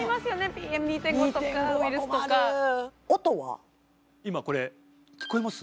ＰＭ２．５とかウイルスとか今これ聞こえます？